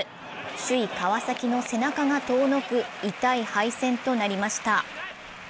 首位・川崎の背中が遠のく痛い敗戦となりました。